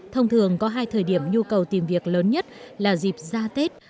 thông thường có hai thời điểm nhu cầu tìm việc lớn nhất là dịp ra tết